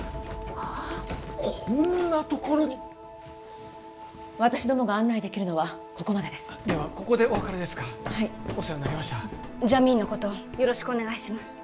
こんなところに私どもが案内できるのはここまでですではここでお別れですかお世話になりましたジャミーンのことよろしくお願いします